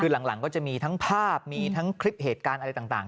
คือหลังก็จะมีทั้งภาพมีทั้งคลิปเหตุการณ์อะไรต่าง